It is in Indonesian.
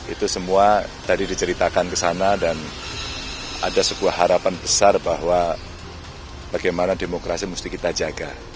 itu semua tadi diceritakan ke sana dan ada sebuah harapan besar bahwa bagaimana demokrasi mesti kita jaga